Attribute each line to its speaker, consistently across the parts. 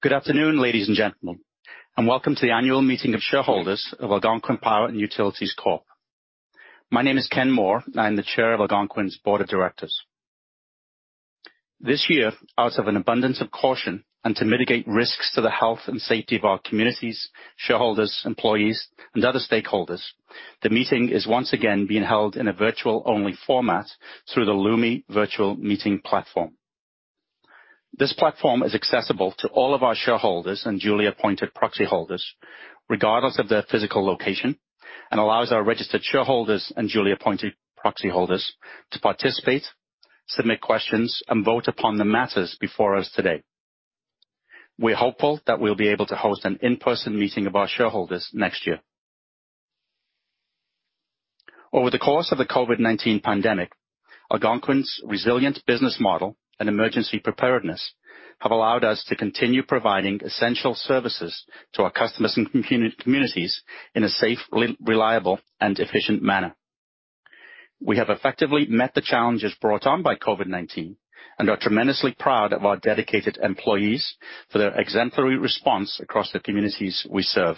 Speaker 1: Good afternoon, ladies and gentlemen, and welcome to the Annual Meeting of Shareholders of Algonquin Power & Utilities Corp. My name is Ken Moore, and I'm the Chair of Algonquin's Board of Directors. This year, out of an abundance of caution and to mitigate risks to the health and safety of our communities, shareholders, employees, and other stakeholders, the meeting is once again being held in a virtual-only format through the Lumi virtual meeting platform. This platform is accessible to all of our shareholders and duly appointed proxy holders regardless of their physical location, and allows our registered shareholders and duly appointed proxy holders to participate, submit questions, and vote upon the matters before us today. We're hopeful that we'll be able to host an in-person meeting of our shareholders next year. Over the course of the COVID-19 pandemic, Algonquin's resilient business model and emergency preparedness have allowed us to continue providing essential services to our customers and communities in a safe, reliable, and efficient manner. We have effectively met the challenges brought on by COVID-19 and are tremendously proud of our dedicated employees for their exemplary response across the communities we serve.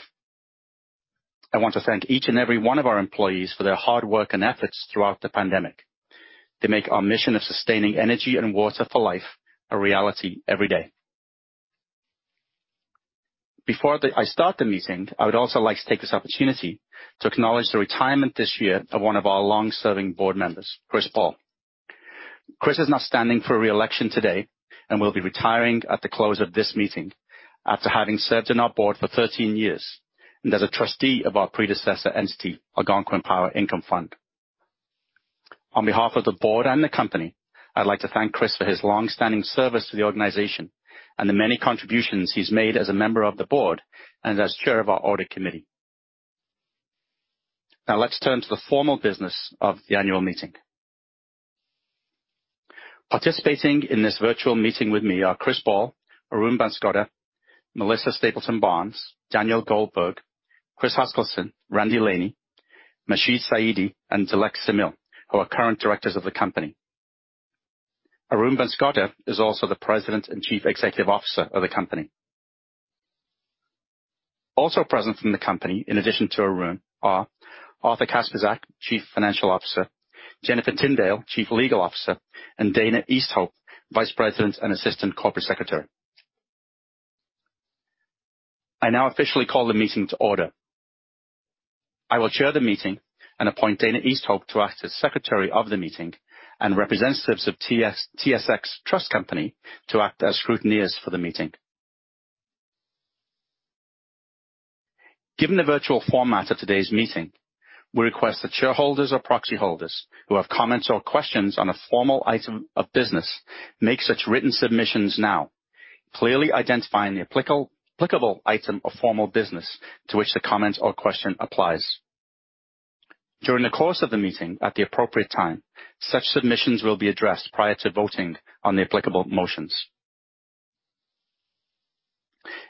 Speaker 1: I want to thank each and every one of our employees for their hard work and efforts throughout the pandemic. They make our mission of sustaining energy and water for life a reality every day. Before I start the meeting, I would also like to take this opportunity to acknowledge the retirement this year of one of our long-serving Board members, Chris Ball. Chris is not standing for re-election today and will be retiring at the close of this meeting after having served on our Board for 13 years and as a trustee of our predecessor entity, Algonquin Power Income Fund. On behalf of the Board and the company, I'd like to thank Chris for his long-standing service to the organization and the many contributions he's made as a member of the Board and as Chair of our Audit Committee. Now let's turn to the formal business of the annual meeting. Participating in this virtual meeting with me are Chris Ball, Arun Banskota, Melissa Stapleton Barnes, Daniel Goldberg, Chris Huskilson, Randy Laney, Masheed Saidi, and Dilek Samil, who are current Directors of the company. Arun Banskota is also the President and Chief Executive Officer of the company. Also present from the company, in addition to Arun, are Arthur Kacprzak, Chief Financial Officer, Jennifer Tindale, Chief Legal Officer, and Dana Easthope, Vice President and Assistant Corporate Secretary. I now officially call the meeting to order. I will chair the meeting and appoint Dana Easthope to act as secretary of the meeting and representatives of TSX Trust Company to act as scrutineers for the meeting. Given the virtual format of today's meeting, we request that shareholders or proxy holders who have comments or questions on a formal item of business make such written submissions now, clearly identifying the applicable item of formal business to which the comment or question applies. During the course of the meeting, at the appropriate time, such submissions will be addressed prior to voting on the applicable motions.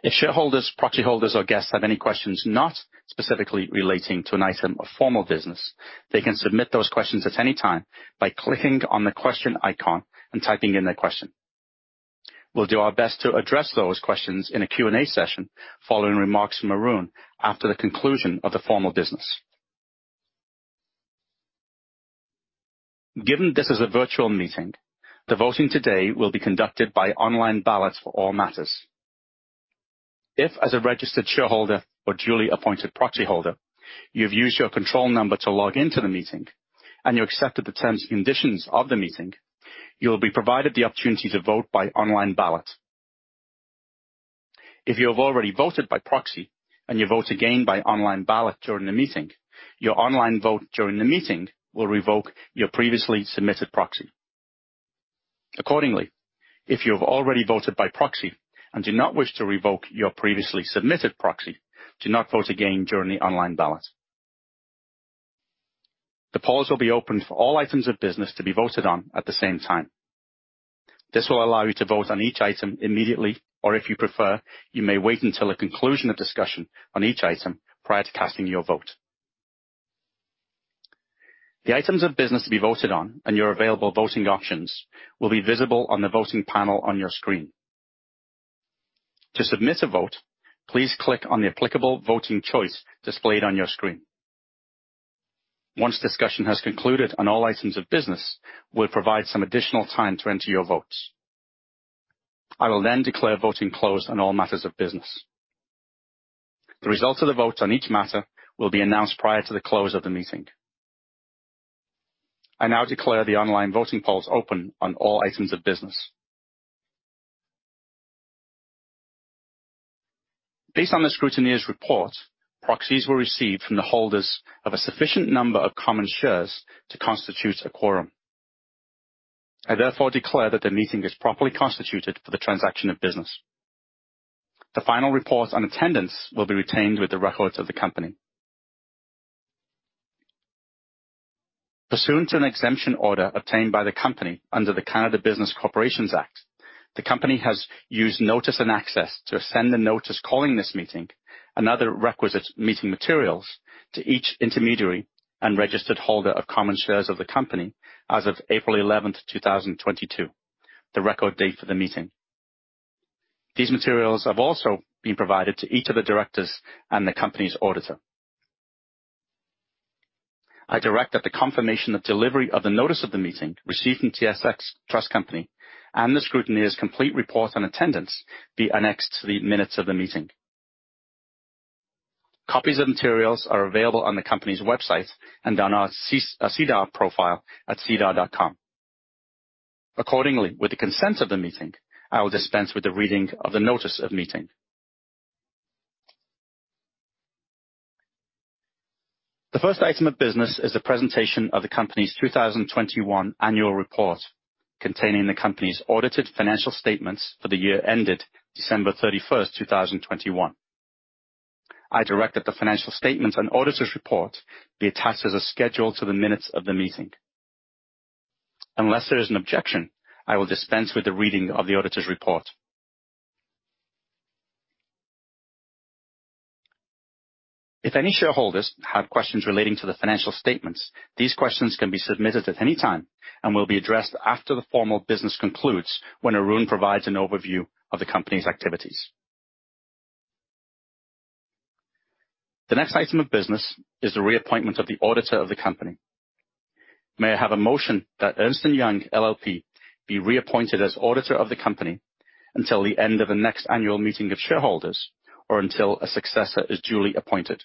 Speaker 1: If shareholders, proxy holders or guests have any questions not specifically relating to an item of formal business, they can submit those questions at any time by clicking on the question icon and typing in their question. We'll do our best to address those questions in a Q&A session following remarks from Arun after the conclusion of the formal business. Given this is a virtual meeting, the voting today will be conducted by online ballot for all matters. If, as a registered shareholder or duly appointed proxy holder, you've used your control number to log into the meeting and you accepted the terms and conditions of the meeting, you will be provided the opportunity to vote by online ballot. If you have already voted by proxy and you vote again by online ballot during the meeting, your online vote during the meeting will revoke your previously submitted proxy. Accordingly, if you have already voted by proxy and do not wish to revoke your previously submitted proxy, do not vote again during the online ballot. The polls will be open for all items of business to be voted on at the same time. This will allow you to vote on each item immediately, or if you prefer, you may wait until the conclusion of discussion on each item prior to casting your vote. The items of business to be voted on and your available voting options will be visible on the voting panel on your screen. To submit a vote, please click on the applicable voting choice displayed on your screen. Once discussion has concluded on all items of business, we'll provide some additional time to enter your votes. I will then declare voting closed on all matters of business. The results of the vote on each matter will be announced prior to the close of the meeting. I now declare the online voting polls open on all items of business. Based on the scrutineer's report, proxies were received from the holders of a sufficient number of common shares to constitute a quorum. I therefore declare that the meeting is properly constituted for the transaction of business. The final reports on attendance will be retained with the records of the company. Pursuant to an exemption order obtained by the company under the Canada Business Corporations Act, the company has used notice and access to send a notice calling this meeting and other requisite meeting materials to each intermediary and registered holder of common shares of the company as of April 11th, 2022, the record date for the meeting. These materials have also been provided to each of the directors and the company's auditor. I direct that the confirmation of delivery of the notice of the meeting received from TSX Trust Company and the scrutineer's complete report on attendance be annexed to the minutes of the meeting. Copies of materials are available on the company's website and on our SEDAR profile at sedar.com. Accordingly, with the consent of the meeting, I will dispense with the reading of the notice of meeting. The first item of business is a presentation of the company's 2021 annual report, containing the company's audited financial statements for the year ended December 31st, 2021. I direct that the financial statements and auditor's report be attached as a schedule to the minutes of the meeting. Unless there is an objection, I will dispense with the reading of the auditor's report. If any shareholders have questions relating to the financial statements, these questions can be submitted at any time and will be addressed after the formal business concludes when Arun provides an overview of the company's activities. The next item of business is the reappointment of the auditor of the company. May I have a motion that Ernst & Young LLP be reappointed as auditor of the company until the end of the next annual meeting of shareholders, or until a successor is duly appointed.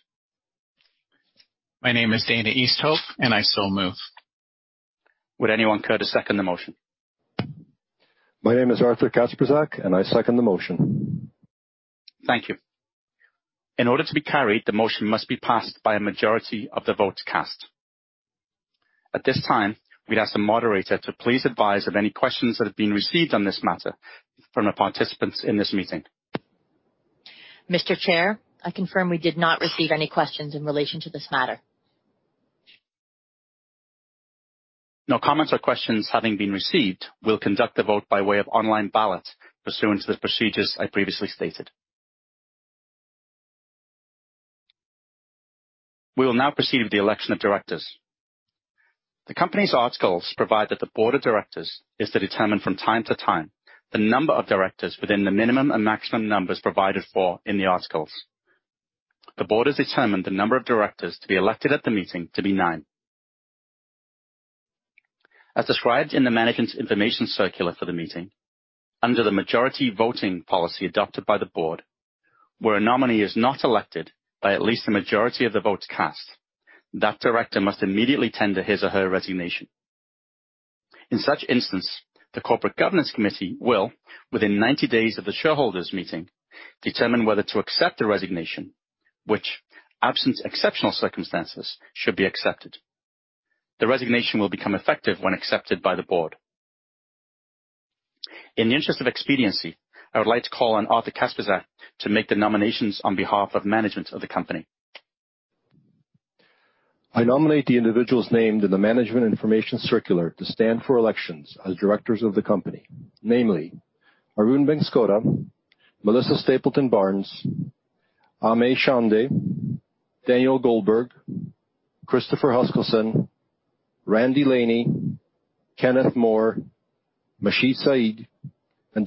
Speaker 2: My name is Dana Easthope, and I so move.
Speaker 1: Would anyone care to second the motion?
Speaker 3: My name is Arthur Kacprzak, and I second the motion.
Speaker 1: Thank you. In order to be carried, the motion must be passed by a majority of the votes cast. At this time, we'd ask the moderator to please advise of any questions that have been received on this matter from the participants in this meeting.
Speaker 4: Mr. Chair, I confirm we did not receive any questions in relation to this matter.
Speaker 1: No comments or questions having been received, we'll conduct a vote by way of online ballot pursuant to the procedures I previously stated. We will now proceed with the election of Directors. The company's articles provide that the Board of Directors is to determine from time to time the number of directors within the minimum and maximum numbers provided for in the articles. The Board has determined the number of Directors to be elected at the meeting to be nine. As described in the Management Information Circular for the meeting, under the majority voting policy adopted by the Board, where a nominee is not elected by at least a majority of the votes cast, that director must immediately tender his or her resignation. In such instance, the Corporate Governance Committee will, within 90 days of the shareholders' meeting, determine whether to accept the resignation, which, absent exceptional circumstances, should be accepted. The resignation will become effective when accepted by the Board. In the interest of expediency, I would like to call on Arthur Kacprzak to make the nominations on behalf of management of the company.
Speaker 3: I nominate the individuals named in the Management Information Circular to stand for elections as directors of the company. Namely, Arun Banskota, Melissa Stapleton Barnes, Amee Chande, Daniel Goldberg, Christopher Huskilson, D. Randy Laney, Kenneth Moore, Masheed Saidi, and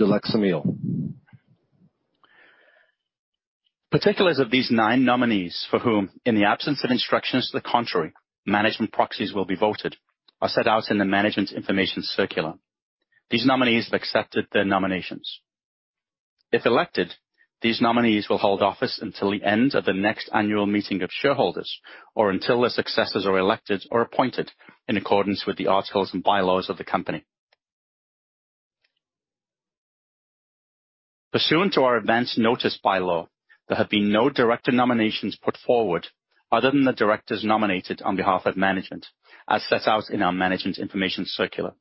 Speaker 3: Dilek Samil.
Speaker 1: Particulars of these nine nominees for whom, in the absence of instructions to the contrary, management proxies will be voted, are set out in the Management Information Circular. These nominees have accepted their nominations. If elected, these nominees will hold office until the end of the next Annual Meeting of Shareholders, or until their successors are elected or appointed in accordance with the articles and bylaws of the company. Pursuant to our advanced notice bylaw, there have been no director nominations put forward other than the directors nominated on behalf of management, as set out in our Management Information Circular.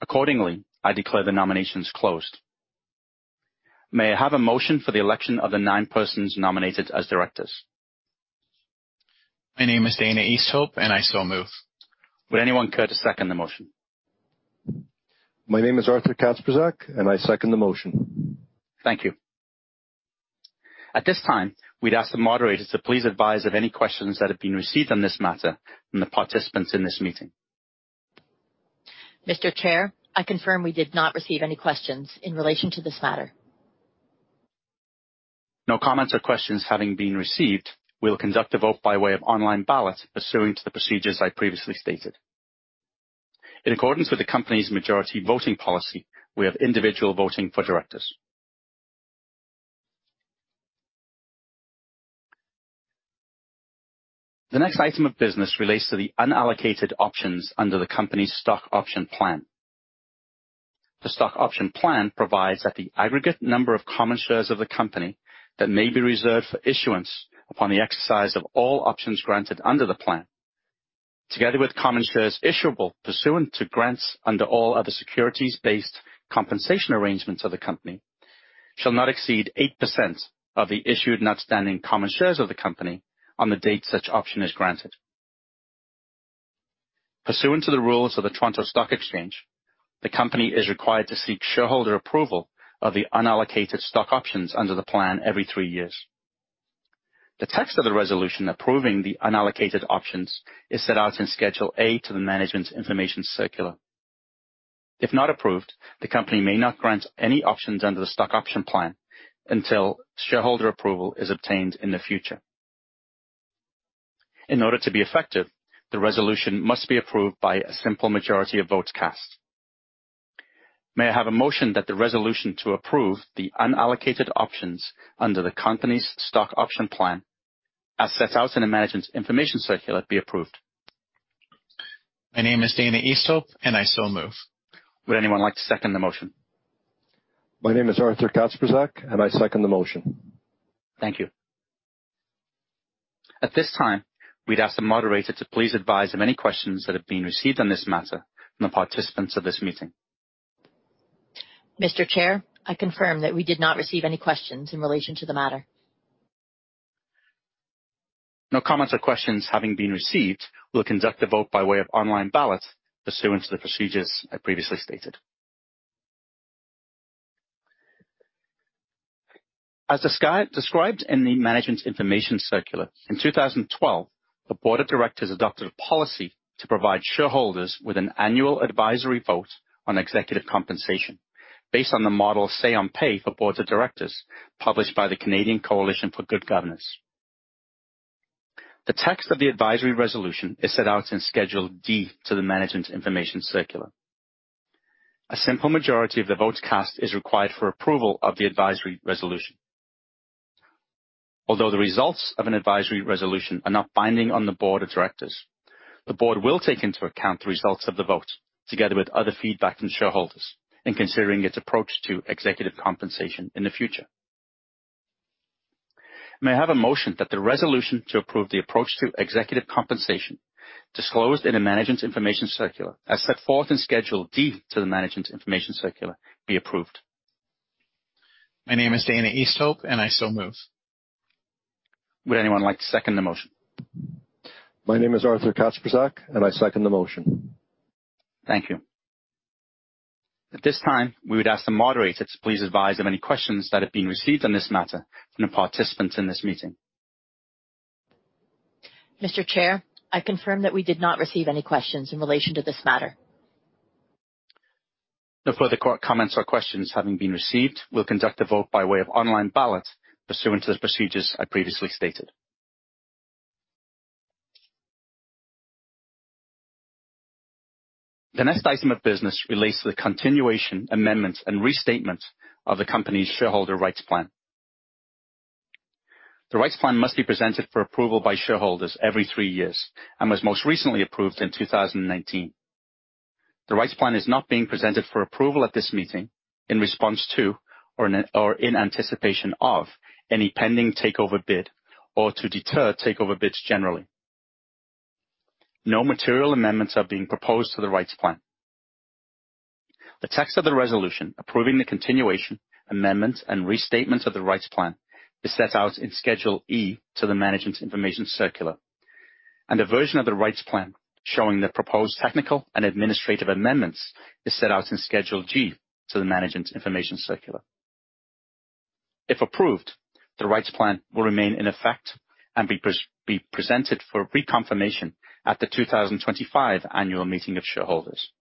Speaker 1: Accordingly, I declare the nominations closed. May I have a motion for the election of the nine persons nominated as directors?
Speaker 2: My name is Dana Easthope, and I so move.
Speaker 1: Would anyone care to second the motion?
Speaker 3: My name is Arthur Kacprzak, and I second the motion.
Speaker 1: Thank you. At this time, we'd ask the moderator to please advise of any questions that have been received on this matter from the participants in this meeting.
Speaker 4: Mr. Chair, I confirm we did not receive any questions in relation to this matter.
Speaker 1: No comments or questions having been received, we will conduct a vote by way of online ballot pursuant to the procedures I previously stated. In accordance with the company's majority voting policy, we have individual voting for directors. The next item of business relates to the unallocated options under the company's stock option plan. The stock option plan provides that the aggregate number of common shares of the company that may be reserved for issuance upon the exercise of all options granted under the plan, together with common shares issuable pursuant to grants under all other securities-based compensation arrangements of the company, shall not exceed 8% of the issued and outstanding common shares of the company on the date such option is granted. Pursuant to the rules of the Toronto Stock Exchange, the company is required to seek shareholder approval of the unallocated stock options under the plan every three years. The text of the resolution approving the unallocated options is set out in Schedule A to the Management's Information Circular. If not approved, the company may not grant any options under the stock option plan until shareholder approval is obtained in the future. In order to be effective, the resolution must be approved by a simple majority of votes cast. May I have a motion that the resolution to approve the unallocated options under the company's stock option plan, as set out in the management information circular, be approved?
Speaker 2: My name is Dana Easthope and I so move.
Speaker 1: Would anyone like to second the motion?
Speaker 3: My name is Arthur Kacprzak, and I second the motion.
Speaker 1: Thank you. At this time, we'd ask the moderator to please advise of any questions that have been received on this matter from the participants of this meeting.
Speaker 4: Mr. Chair, I confirm that we did not receive any questions in relation to the matter.
Speaker 1: No comments or questions having been received, we'll conduct a vote by way of online ballot pursuant to the procedures I previously stated. As described in the Management Information Circular, in 2012, the Board of Directors adopted a policy to provide shareholders with an annual advisory vote on executive compensation based on the model Say-on-Pay for Board of Directors, published by the Canadian Coalition for Good Governance. The text of the advisory resolution is set out in Schedule D to the management information circular. A simple majority of the votes cast is required for approval of the advisory resolution. Although the results of an advisory resolution are not binding on the Board of Directors, the Board will take into account the results of the vote, together with other feedback from shareholders in considering its approach to executive compensation in the future. May I have a motion that the resolution to approve the approach to executive compensation disclosed in a management information circular, as set forth in Schedule D to the management information circular, be approved.
Speaker 2: My name is Dana Easthope, and I so move.
Speaker 1: Would anyone like to second the motion?
Speaker 3: My name is Arthur Kacprzak, and I second the motion.
Speaker 1: Thank you. At this time, we would ask the moderator to please advise of any questions that have been received on this matter from the participants in this meeting.
Speaker 4: Mr. Chair, I confirm that we did not receive any questions in relation to this matter.
Speaker 1: No further comments or questions having been received, we'll conduct a vote by way of online ballot pursuant to the procedures I previously stated. The next item of business relates to the continuation, amendment, and restatement of the company's shareholder rights plan. The rights plan must be presented for approval by shareholders every three years and was most recently approved in 2019. The rights plan is not being presented for approval at this meeting in response to or in anticipation of any pending takeover bid or to deter takeover bids generally. No material amendments are being proposed to the rights plan. The text of the resolution approving the continuation, amendment, and restatement of the rights plan is set out in Schedule E to the Management Information Circular, and a version of the rights plan showing the proposed technical and administrative amendments is set out in Schedule G to the Management Information Circular. If approved, the rights plan will remain in effect and be presented for reconfirmation at the 2025 Annual Meeting of Shareholders.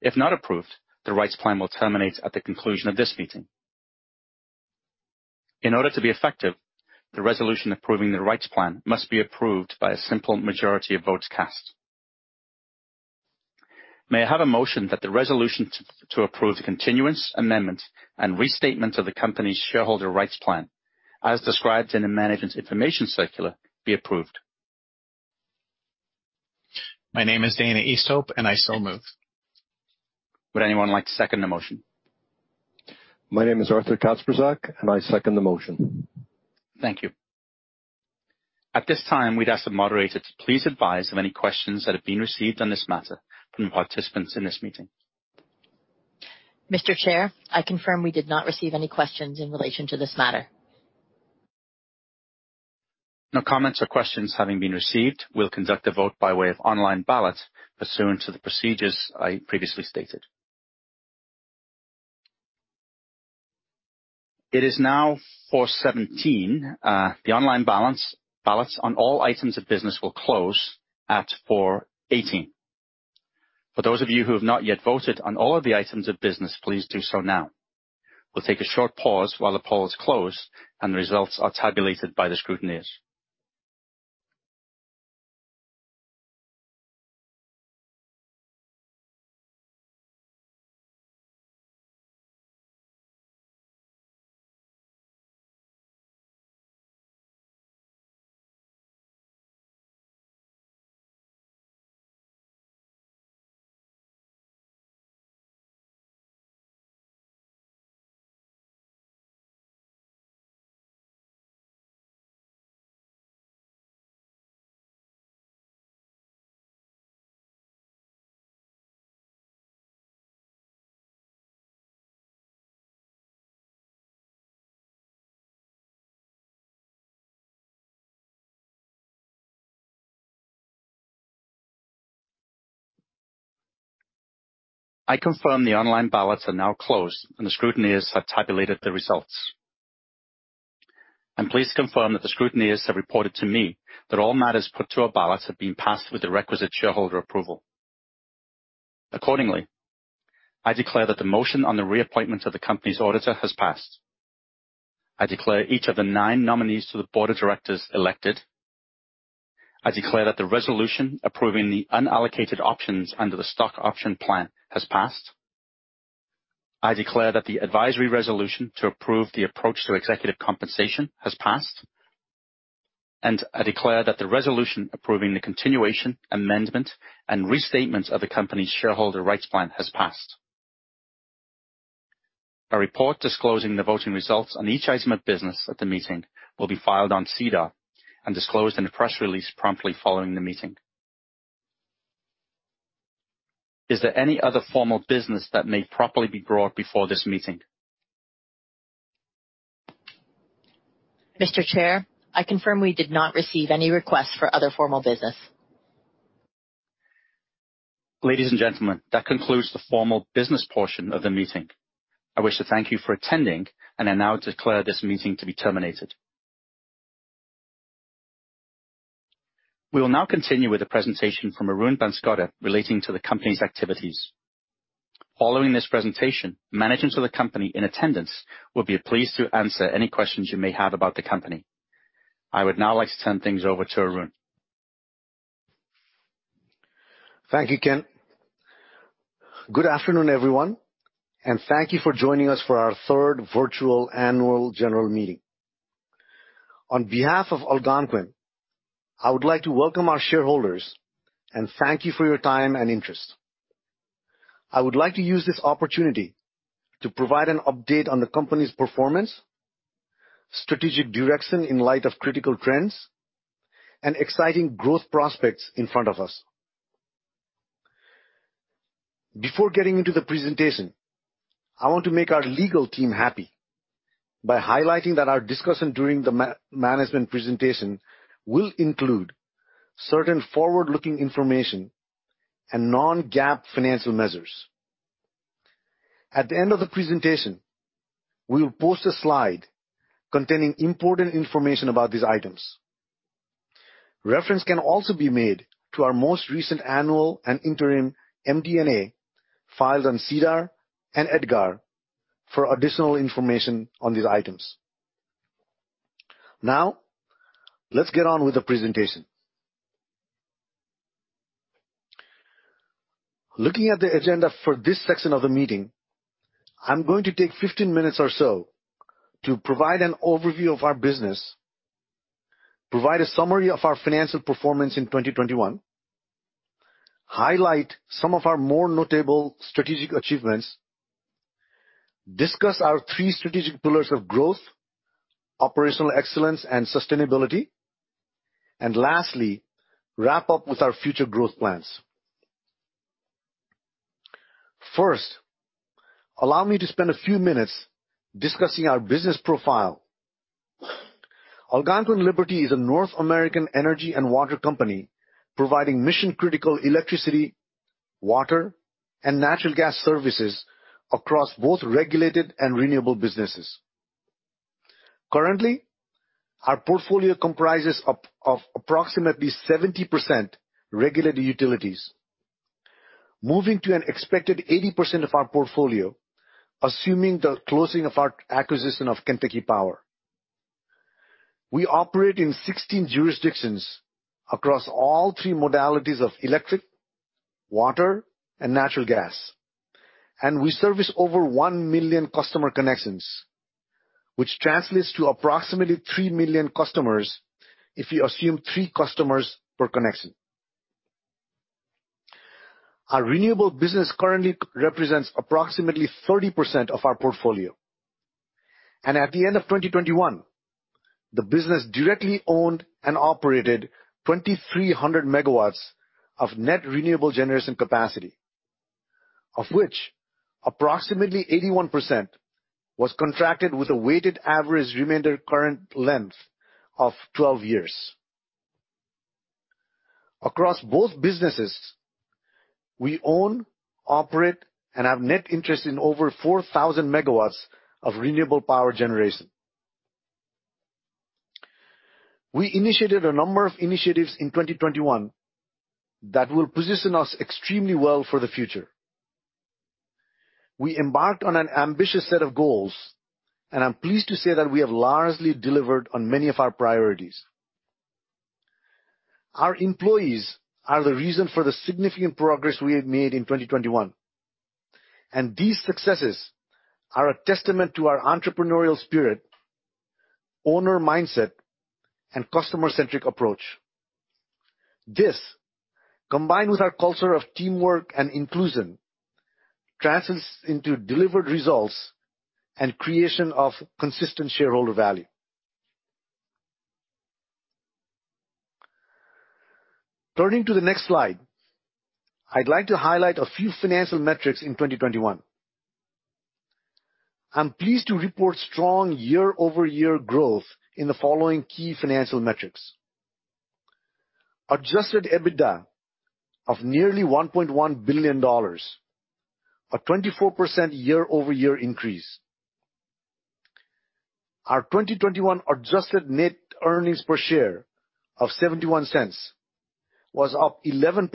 Speaker 1: If not approved, the rights plan will terminate at the conclusion of this meeting. In order to be effective, the resolution approving the rights plan must be approved by a simple majority of votes cast. May I have a motion that the resolution to approve the continuance, amendment, and restatement of the company's shareholder rights plan, as described in the Management Information Circular, be approved?
Speaker 2: My name is Dana Easthope, and I so move. Would anyone like to second the motion?
Speaker 3: My name is Arthur Kacprzak, and I second the motion.
Speaker 1: Thank you. At this time, we'd ask the moderator to please advise of any questions that have been received on this matter from participants in this meeting.
Speaker 4: Mr. Chair, I confirm we did not receive any questions in relation to this matter.
Speaker 1: No comments or questions having been received, we'll conduct a vote by way of online ballot pursuant to the procedures I previously stated. It is now 4:17 P.M. The online ballots on all items of business will close at 4:18 P.M. For those of you who have not yet voted on all of the items of business, please do so now. We'll take a short pause while the polls close and the results are tabulated by the scrutineers. I confirm the online ballots are now closed and the scrutineers have tabulated the results. I'm pleased to confirm that the scrutineers have reported to me that all matters put to a ballot have been passed with the requisite shareholder approval. Accordingly, I declare that the motion on the reappointment of the company's auditor has passed. I declare each of the nine nominees to the Board of Directors elected. I declare that the resolution approving the unallocated options under the stock option plan has passed. I declare that the advisory resolution to approve the approach to executive compensation has passed. I declare that the resolution approving the continuation, amendment, and restatement of the company's shareholder rights plan has passed. A report disclosing the voting results on each item of business at the meeting will be filed on SEDAR and disclosed in a press release promptly following the meeting. Is there any other formal business that may properly be brought before this meeting?
Speaker 4: Mr. Chair, I confirm we did not receive any requests for other formal business.
Speaker 1: Ladies and gentlemen, that concludes the formal business portion of the meeting. I wish to thank you for attending and I now declare this meeting to be terminated. We will now continue with a presentation from Arun Banskota relating to the company's activities. Following this presentation, management of the company in attendance will be pleased to answer any questions you may have about the company. I would now like to turn things over to Arun.
Speaker 5: Thank you, Ken. Good afternoon, everyone, and thank you for joining us for our third virtual Annual General Meeting. On behalf of Algonquin, I would like to welcome our shareholders and thank you for your time and interest. I would like to use this opportunity to provide an update on the company's performance, strategic direction in light of critical trends, and exciting growth prospects in front of us. Before getting into the presentation, I want to make our legal team happy by highlighting that our discussion during the management presentation will include certain forward-looking information and non-GAAP financial measures. At the end of the presentation, we will post a slide containing important information about these items. Reference can also be made to our most recent annual and interim MD&A filed on SEDAR and EDGAR for additional information on these items. Now, let's get on with the presentation. Looking at the agenda for this section of the meeting, I'm going to take 15 minutes or so to provide an overview of our business, provide a summary of our financial performance in 2021, highlight some of our more notable strategic achievements, discuss our three strategic pillars of growth, operational excellence, and sustainability, and lastly, wrap up with our future growth plans. First, allow me to spend a few minutes discussing our business profile. Algonquin/Liberty is a North American energy and water company providing mission-critical electricity, water, and natural gas services across both regulated and renewable businesses. Currently, our portfolio comprises of approximately 70% regulated utilities, moving to an expected 80% of our portfolio, assuming the closing of our acquisition of Kentucky Power. We operate in 16 jurisdictions across all three modalities of electric, water, and natural gas, and we service over 1 million customer connections, which translates to approximately 3 million customers if you assume three customers per connection. Our renewable business currently represents approximately 30% of our portfolio. At the end of 2021, the business directly owned and operated 2,300 MW of net renewable generation capacity, of which approximately 81% was contracted with a weighted average remaining contract length of 12 years. Across both businesses, we own, operate, and have net interest in over 4,000 MW of renewable power generation. We initiated a number of initiatives in 2021 that will position us extremely well for the future. We embarked on an ambitious set of goals, and I'm pleased to say that we have largely delivered on many of our priorities. Our employees are the reason for the significant progress we have made in 2021, and these successes are a testament to our entrepreneurial spirit, owner mindset, and customer-centric approach. This, combined with our culture of teamwork and inclusion, translates into delivered results and creation of consistent shareholder value. Turning to the next slide, I'd like to highlight a few financial metrics in 2021. I'm pleased to report strong year-over-year growth in the following key financial metrics. Adjusted EBITDA of nearly $1.1 billion, a 24% year-over-year increase. Our 2021 adjusted net earnings per share of $0.71 was up 11%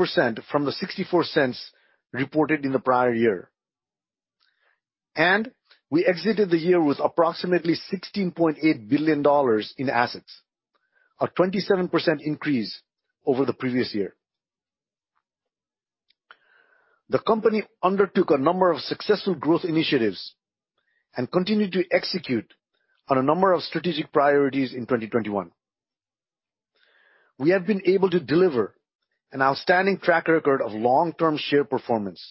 Speaker 5: from the $0.64 reported in the prior year. We exited the year with approximately $16.8 billion in assets, a 27% increase over the previous year. The company undertook a number of successful growth initiatives and continued to execute on a number of strategic priorities in 2021. We have been able to deliver an outstanding track record of long-term share performance.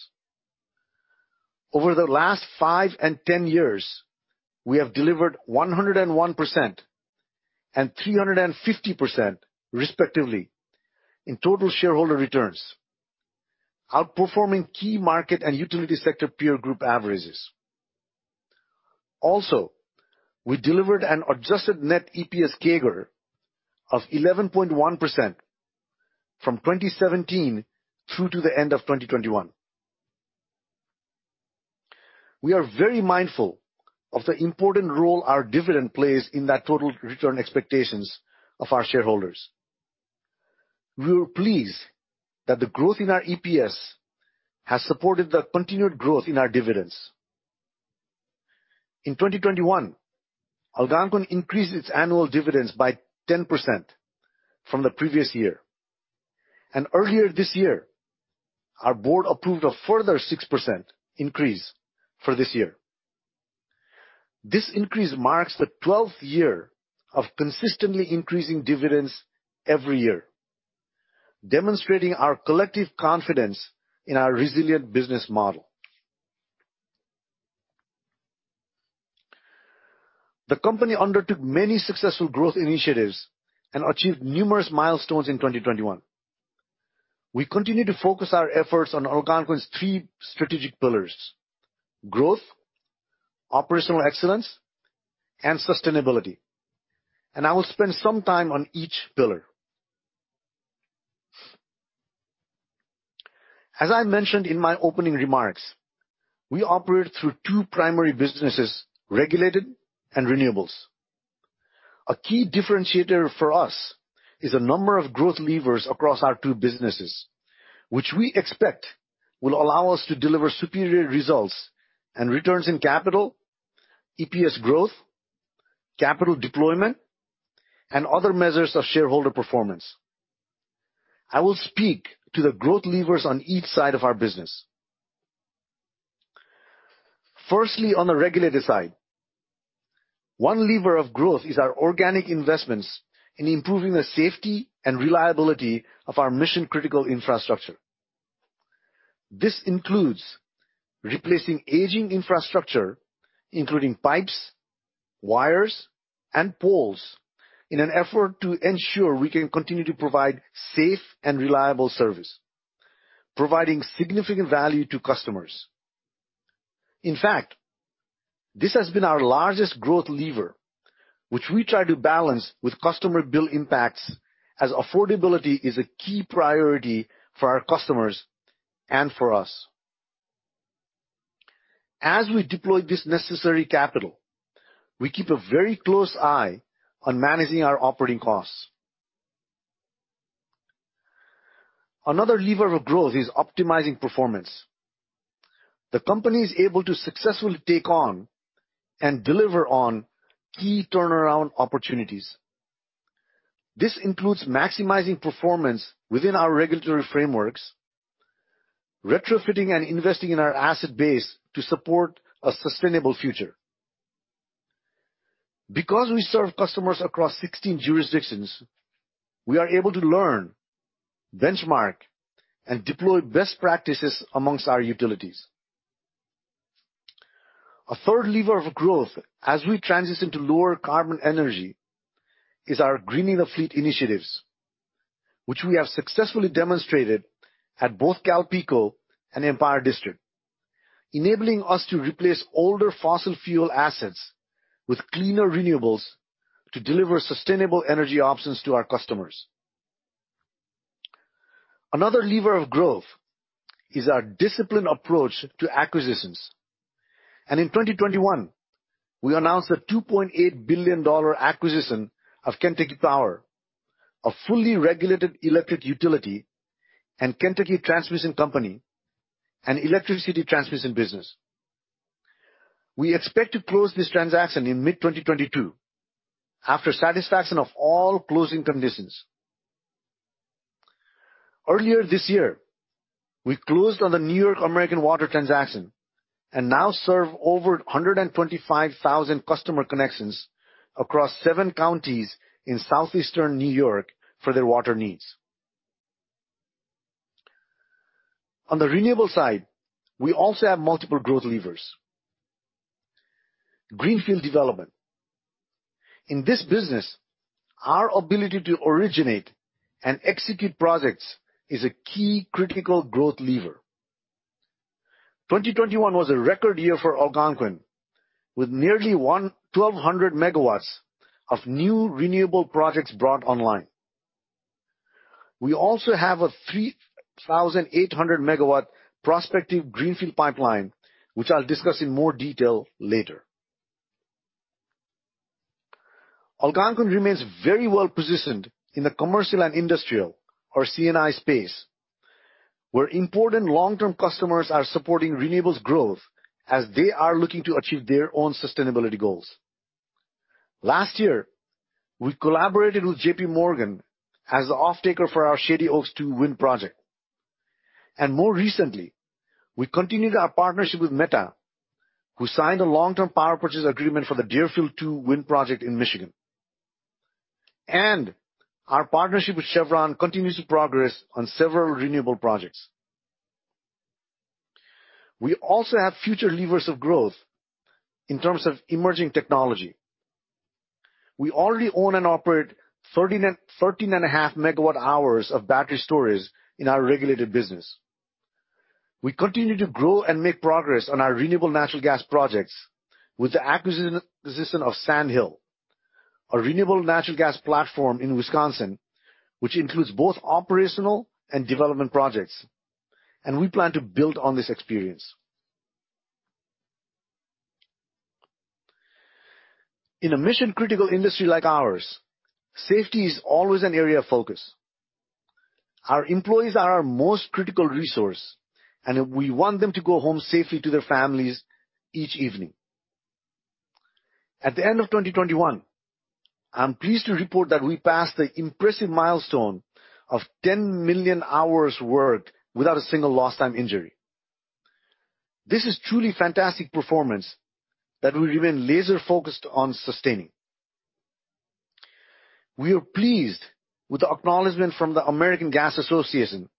Speaker 5: Over the last five and 10 years, we have delivered 101% and 350%, respectively, in total shareholder returns, outperforming key market and utility sector peer group averages. Also, we delivered an adjusted net EPS CAGR of 11.1% from 2017 through to the end of 2021. We are very mindful of the important role our dividend plays in the total return expectations of our shareholders. We were pleased that the growth in our EPS has supported the continued growth in our dividends. In 2021, Algonquin increased its annual dividends by 10% from the previous year. Earlier this year, our Board approved a further 6% increase for this year. This increase marks the 12th year of consistently increasing dividends every year, demonstrating our collective confidence in our resilient business model. The company undertook many successful growth initiatives and achieved numerous milestones in 2021. We continue to focus our efforts on Algonquin's three strategic pillars, growth, operational excellence, and sustainability, and I will spend some time on each pillar. As I mentioned in my opening remarks, we operate through two primary businesses, regulated and renewables. A key differentiator for us is a number of growth levers across our two businesses, which we expect will allow us to deliver superior results and returns in capital, EPS growth, capital deployment, and other measures of shareholder performance. I will speak to the growth levers on each side of our business. Firstly, on the regulated side, one lever of growth is our organic investments in improving the safety and reliability of our mission-critical infrastructure. This includes replacing aging infrastructure, including pipes, wires, and poles, in an effort to ensure we can continue to provide safe and reliable service, providing significant value to customers. In fact, this has been our largest growth lever, which we try to balance with customer bill impacts as affordability is a key priority for our customers and for us. As we deploy this necessary capital, we keep a very close eye on managing our operating costs. Another lever of growth is optimizing performance. The company is able to successfully take on and deliver on key turnaround opportunities. This includes maximizing performance within our regulatory frameworks, retrofitting and investing in our asset base to support a sustainable future. Because we serve customers across 16 jurisdictions, we are able to learn, benchmark, and deploy best practices among our utilities. A third lever of growth as we transition to lower carbon energy is our greening of fleet initiatives, which we have successfully demonstrated at both CalPeco and Empire District, enabling us to replace older fossil fuel assets with cleaner renewables to deliver sustainable energy options to our customers. Another lever of growth is our disciplined approach to acquisitions. In 2021, we announced a $2.8 billion acquisition of Kentucky Power, a fully regulated electric utility, and Kentucky Transmission Company, an electricity transmission business. We expect to close this transaction in mid-2022 after satisfaction of all closing conditions. Earlier this year, we closed on the New York American Water transaction and now serve over 125,000 customer connections across seven counties in southeastern New York for their water needs. On the renewable side, we also have multiple growth levers. Greenfield development. In this business, our ability to originate and execute projects is a key critical growth lever. 2021 was a record year for Algonquin, with nearly 1,200 MW of new renewable projects brought online. We also have a 3,800 MW prospective greenfield pipeline, which I'll discuss in more detail later. Algonquin remains very well-positioned in the commercial and industrial, or C&I space, where important long-term customers are supporting renewables growth as they are looking to achieve their own sustainability goals. Last year, we collaborated with JPMorgan as the offtaker for our Shady Oaks II wind project. More recently, we continued our partnership with Meta, who signed a long-term power purchase agreement for the Deerfield II wind project in Michigan. Our partnership with Chevron continues to progress on several renewable projects. We also have future levers of growth in terms of emerging technology. We already own and operate 13.5 MWh of battery storage in our regulated business. We continue to grow and make progress on our renewable natural gas projects with the acquisition of Sandhill, a renewable natural gas platform in Wisconsin, which includes both operational and development projects. We plan to build on this experience. In a mission-critical industry like ours, safety is always an area of focus. Our employees are our most critical resource, and we want them to go home safely to their families each evening. At the end of 2021, I'm pleased to report that we passed the impressive milestone of 10 million hours worked without a single lost time injury. This is truly fantastic performance that we remain laser-focused on sustaining. We are pleased with the acknowledgement from the American Gas Association,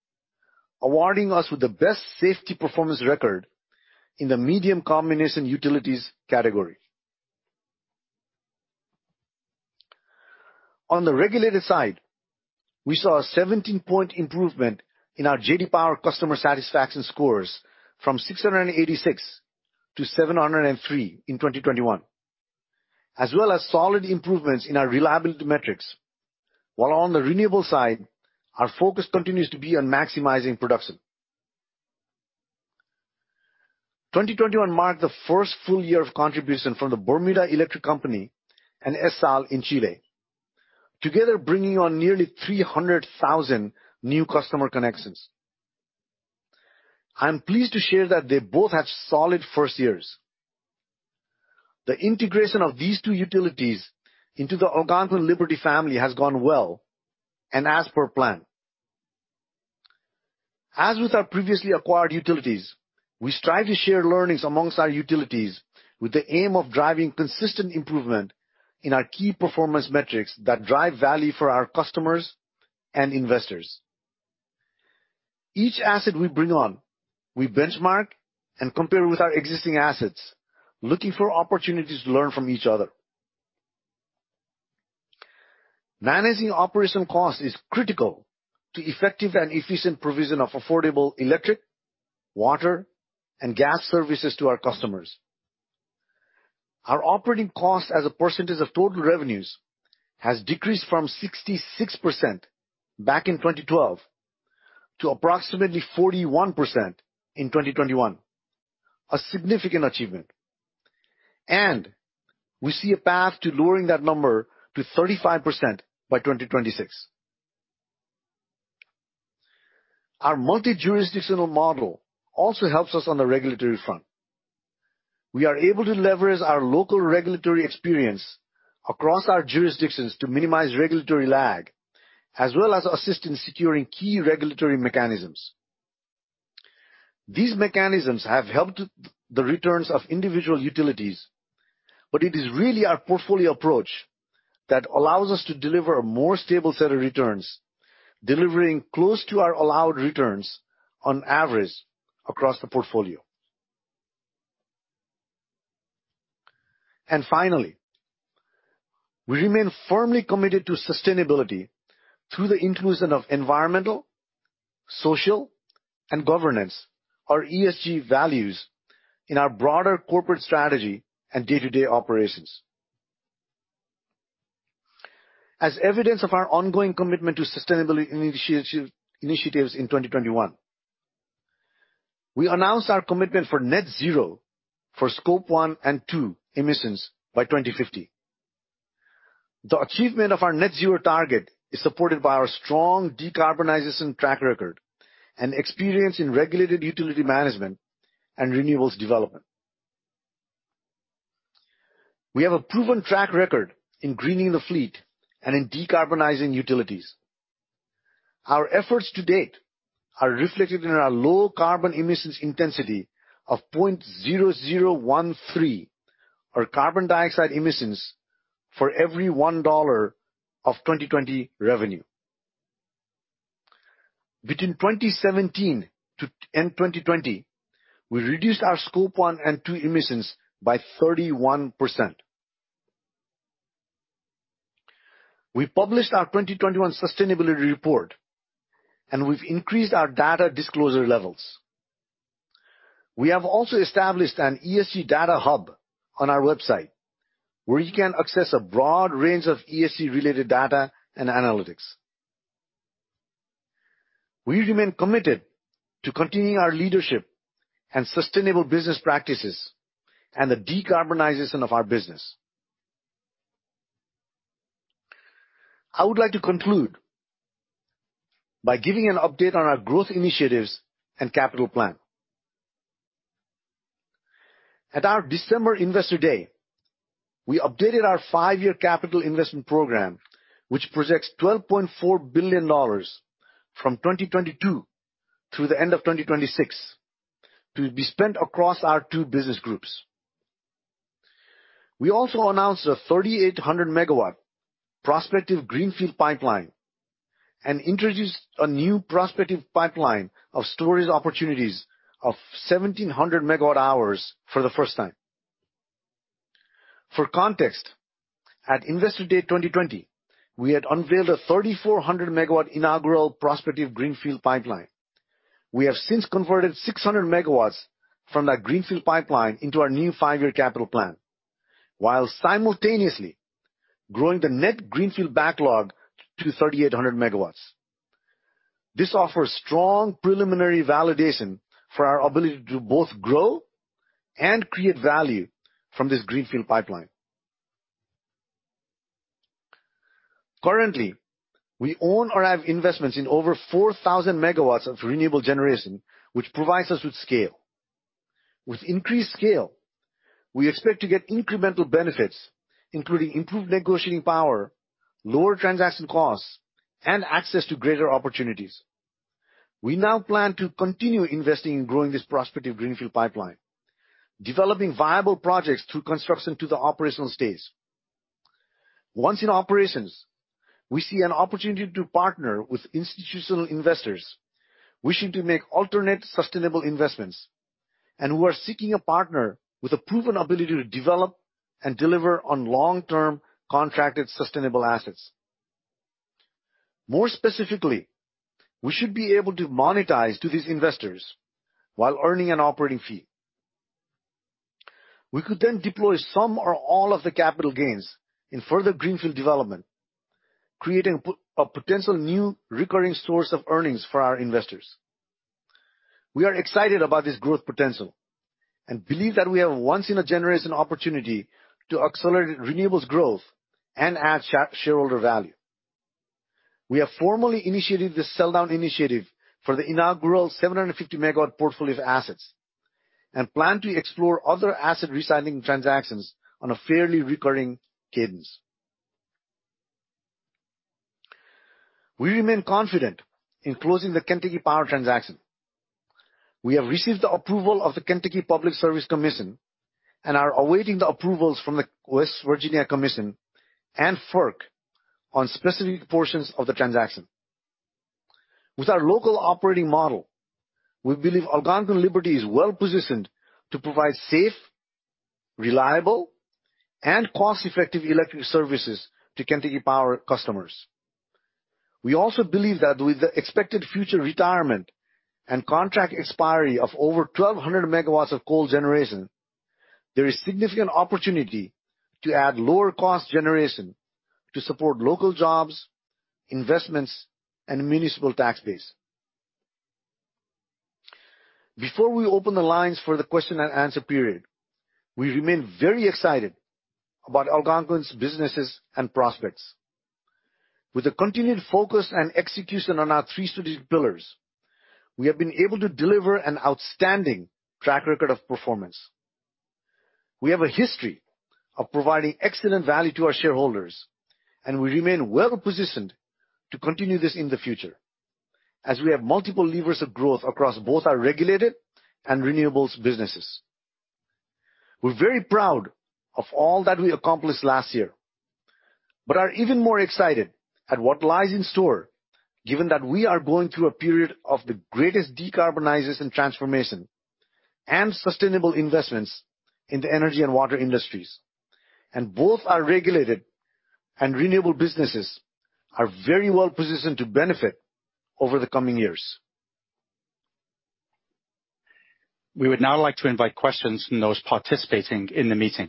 Speaker 5: awarding us with the best safety performance record in the medium combination utilities category. On the regulated side, we saw a 17-point improvement in our J.D. Power customer satisfaction scores from 686-703 in 2021, as well as solid improvements in our reliability metrics. While on the renewable side, our focus continues to be on maximizing production. 2021 marked the first full year of contribution from the Bermuda Electric Company and ESSAL in Chile, together bringing on nearly 300,000 new customer connections. I'm pleased to share that they both had solid first years. The integration of these two utilities into the Algonquin/Liberty family has gone well and as per plan. As with our previously acquired utilities, we strive to share learnings amongst our utilities with the aim of driving consistent improvement in our key performance metrics that drive value for our customers and investors. Each asset we bring on, we benchmark and compare with our existing assets, looking for opportunities to learn from each other. Managing operation cost is critical to effective and efficient provision of affordable electric, water, and gas services to our customers. Our operating cost as a percentage of total revenues has decreased from 66% back in 2012 to approximately 41% in 2021, a significant achievement. We see a path to lowering that number to 35% by 2026. Our multi-jurisdictional model also helps us on the regulatory front. We are able to leverage our local regulatory experience across our jurisdictions to minimize regulatory lag, as well as assist in securing key regulatory mechanisms. These mechanisms have helped the returns of individual utilities, but it is really our portfolio approach that allows us to deliver a more stable set of returns, delivering close to our allowed returns on average across the portfolio. Finally, we remain firmly committed to sustainability through the inclusion of environmental, social, and governance or ESG values in our broader corporate strategy and day-to-day operations. As evidence of our ongoing commitment to sustainability initiatives in 2021, we announced our commitment for net zero for Scope 1 and 2 emissions by 2050. The achievement of our net zero target is supported by our strong decarbonization track record and experience in regulated utility management and renewables development. We have a proven track record in greening the fleet and in decarbonizing utilities. Our efforts to date are reflected in our low carbon emissions intensity of 0.0013. Our carbon dioxide emissions for every $1 of 2020 revenue. Between 2017 to end 2020, we reduced our Scope 1 and 2 emissions by 31%. We published our 2021 sustainability report, and we've increased our data disclosure levels. We have also established an ESG data hub on our website, where you can access a broad range of ESG related data and analytics. We remain committed to continuing our leadership and sustainable business practices and the decarbonization of our business. I would like to conclude by giving an update on our growth initiatives and capital plan. At our December Investor Day, we updated our five-year capital investment program, which projects $12.4 billion from 2022 through the end of 2026 to be spent across our two business groups. We also announced a 3,800 MW prospective greenfield pipeline and introduced a new prospective pipeline of storage opportunities of 1,700 MWh for the first time. For context, at Investor Day 2020, we had unveiled a 3,400 MW inaugural prospective greenfield pipeline. We have since converted 600 MW from that greenfield pipeline into our new five-year capital plan, while simultaneously growing the net greenfield backlog to 3,800 MW. This offers strong preliminary validation for our ability to both grow and create value from this greenfield pipeline. Currently, we own or have investments in over 4,000 MW of renewable generation, which provides us with scale. With increased scale, we expect to get incremental benefits, including improved negotiating power, lower transaction costs, and access to greater opportunities. We now plan to continue investing in growing this prospective greenfield pipeline, developing viable projects through construction to the operational stage. Once in operations, we see an opportunity to partner with institutional investors wishing to make alternate sustainable investments and who are seeking a partner with a proven ability to develop and deliver on long-term contracted sustainable assets. More specifically, we should be able to monetize to these investors while earning an operating fee. We could then deploy some or all of the capital gains in further greenfield development, creating a potential new recurring source of earnings for our investors. We are excited about this growth potential and believe that we have a once in a generation opportunity to accelerate renewables growth and add shareholder value. We have formally initiated this sell-down initiative for the inaugural 750 MW portfolio of assets and plan to explore other asset recycling transactions on a fairly recurring cadence. We remain confident in closing the Kentucky Power transaction. We have received the approval of the Kentucky Public Service Commission and are awaiting the approvals from the West Virginia Commission and FERC on specific portions of the transaction. With our local operating model, we believe Algonquin/Liberty is well-positioned to provide safe, reliable, and cost-effective electric services to Kentucky Power customers. We also believe that with the expected future retirement and contract expiry of over 1,200 MW of coal generation, there is significant opportunity to add lower cost generation to support local jobs, investments, and municipal tax base. Before we open the lines for the question and answer period, we remain very excited about Algonquin's businesses and prospects. With a continued focus and execution on our three strategic pillars, we have been able to deliver an outstanding track record of performance. We have a history of providing excellent value to our shareholders, and we remain well-positioned to continue this in the future as we have multiple levers of growth across both our regulated and renewables businesses. We're very proud of all that we accomplished last year, but are even more excited at what lies in store, given that we are going through a period of the greatest decarbonization transformation and sustainable investments in the energy and water industries. Both our regulated and renewable businesses are very well-positioned to benefit over the coming years.
Speaker 1: We would now like to invite questions from those participating in the meeting.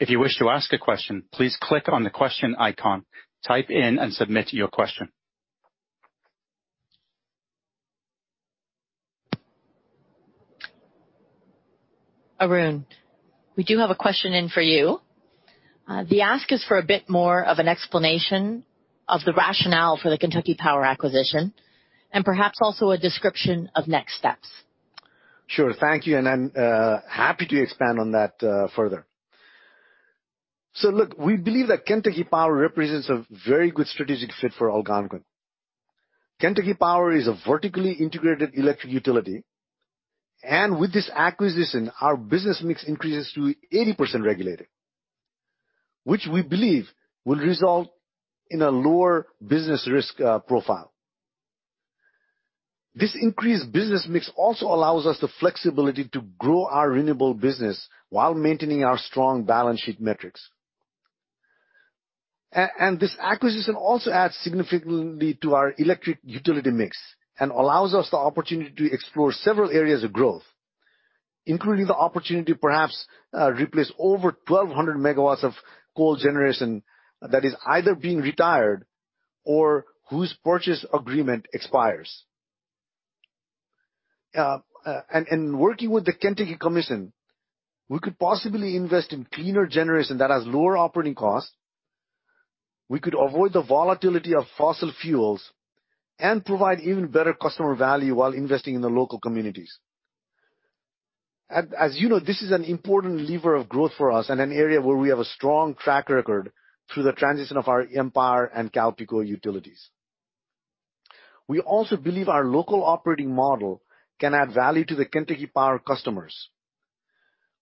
Speaker 1: If you wish to ask a question, please click on the question icon, type in, and submit your question.
Speaker 4: Arun, we do have a question in for you. The ask is for a bit more of an explanation of the rationale for the Kentucky Power acquisition and perhaps also a description of next steps.
Speaker 5: Sure. Thank you. I'm happy to expand on that further. Look, we believe that Kentucky Power represents a very good strategic fit for Algonquin. Kentucky Power is a vertically integrated electric utility. With this acquisition, our business mix increases to 80% regulated, which we believe will result in a lower business risk profile. This increased business mix also allows us the flexibility to grow our renewable business while maintaining our strong balance sheet metrics. This acquisition also adds significantly to our electric utility mix and allows us the opportunity to explore several areas of growth, including the opportunity to perhaps replace over 1,200 MW of coal generation that is either being retired or whose purchase agreement expires. Working with the Kentucky Commission, we could possibly invest in cleaner generation that has lower operating costs. We could avoid the volatility of fossil fuels and provide even better customer value while investing in the local communities. As you know, this is an important lever of growth for us and an area where we have a strong track record through the transition of our Empire and CalPeco utilities. We also believe our local operating model can add value to the Kentucky Power customers.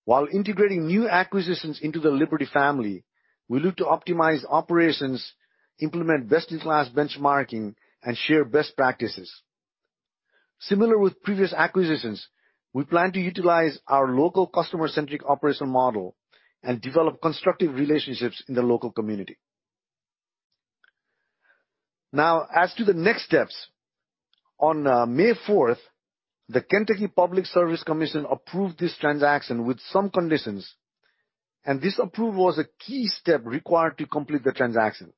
Speaker 5: While integrating new acquisitions into the Liberty Family, we look to optimize operations, implement best-in-class benchmarking, and share best practices. Similar with previous acquisitions, we plan to utilize our local customer-centric operation model and develop constructive relationships in the local community. Now, as to the next steps, on May 4th, the Kentucky Public Service Commission approved this transaction with some conditions, and this approval was a key step required to complete the transaction.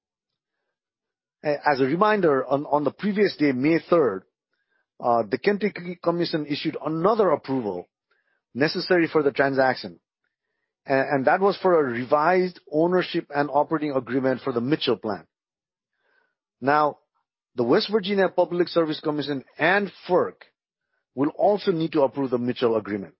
Speaker 5: As a reminder, on the previous day, May 3rd, the Kentucky Public Service Commission issued another approval necessary for the transaction. That was for a revised ownership and operating agreement for the Mitchell Plant. Now, the West Virginia Public Service Commission and FERC will also need to approve the Mitchell agreement.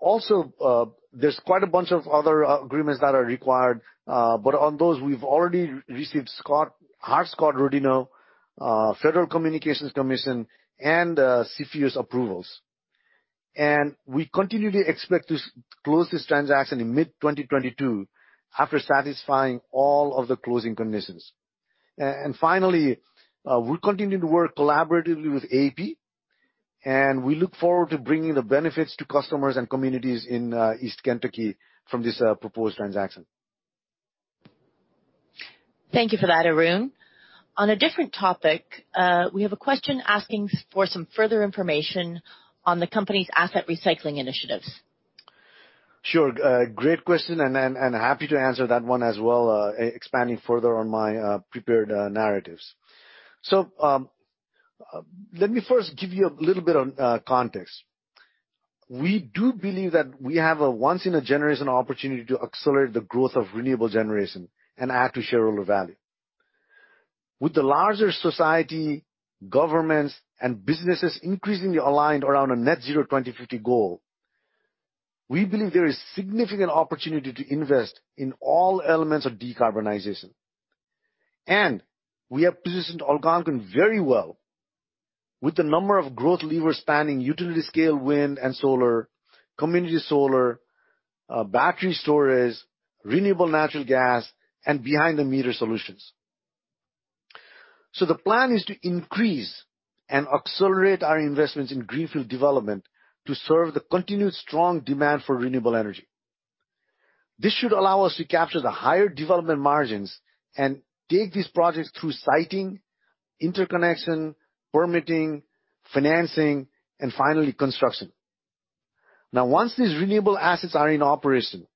Speaker 5: Also, there's quite a bunch of other agreements that are required, but on those we've already received Hart-Scott-Rodino, FERC, and CFIUS approvals. We continually expect to close this transaction in mid-2022 after satisfying all of the closing conditions. Finally, we'll continue to work collaboratively with AEP, and we look forward to bringing the benefits to customers and communities in East Kentucky from this proposed transaction.
Speaker 4: Thank you for that, Arun. On a different topic, we have a question asking for some further information on the company's asset recycling initiatives.
Speaker 5: Sure. Great question, and happy to answer that one as well, expanding further on my prepared narratives. Let me first give you a little bit of context. We do believe that we have a once in a generation opportunity to accelerate the growth of renewable generation and add to shareholder value. With the larger society, governments, and businesses increasingly aligned around a net zero 2050 goal, we believe there is significant opportunity to invest in all elements of decarbonization. We have positioned Algonquin very well with the number of growth levers spanning utility-scale wind and solar, community solar, battery storage, renewable natural gas, and behind-the-meter solutions. The plan is to increase and accelerate our investments in greenfield development to serve the continued strong demand for renewable energy. This should allow us to capture the higher development margins and take these projects through siting, interconnection, permitting, financing, and finally, construction. Now, once these renewable assets are in operation,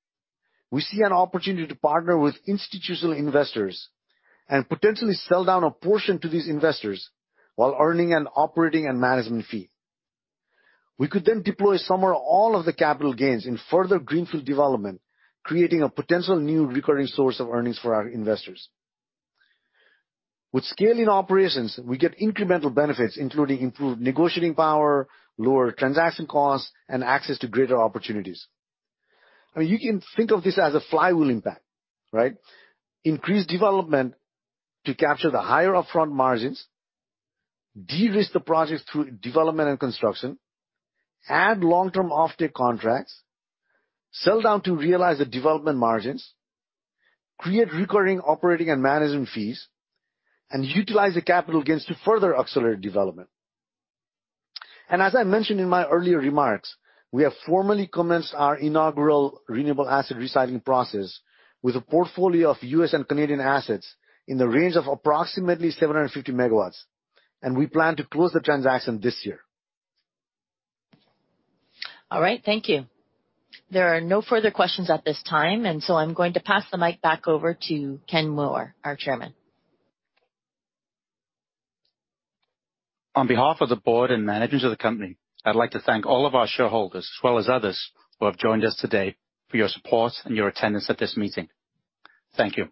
Speaker 5: we see an opportunity to partner with institutional investors and potentially sell down a portion to these investors while earning an operating and management fee. We could then deploy some or all of the capital gains in further greenfield development, creating a potential new recurring source of earnings for our investors. With scaling operations, we get incremental benefits, including improved negotiating power, lower transaction costs, and access to greater opportunities. I mean, you can think of this as a flywheel impact, right? Increased development to capture the higher upfront margins, de-risk the projects through development and construction, add long-term offtake contracts, sell down to realize the development margins, create recurring operating and management fees, and utilize the capital gains to further accelerate development. As I mentioned in my earlier remarks, we have formally commenced our inaugural renewable asset recycling process with a portfolio of U.S. and Canadian assets in the range of approximately 750 MW, and we plan to close the transaction this year.
Speaker 4: All right. Thank you. There are no further questions at this time, and so I'm going to pass the mic back over to Ken Moore, our Chairman.
Speaker 1: On behalf of the Board and management of the company, I'd like to thank all of our shareholders as well as others who have joined us today for your support and your attendance at this meeting. Thank you.